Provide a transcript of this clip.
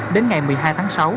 đến ngày một mươi hai tháng sáu